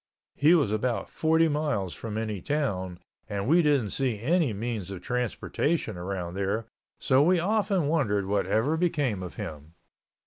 He was about 40 miles from any town and we didn't see any means of transportation around there, so we often wondered what ever became of him.